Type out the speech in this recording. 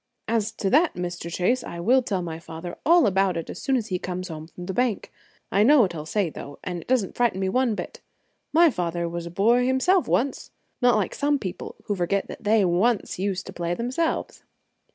"As to that, Mr. Chase, I will tell my father all about it as soon as he comes home from the bank. I know what he will say, though, and it doesn't frighten me one bit. My father was a boy himself once, not like some people who forget that they once used to play themselves."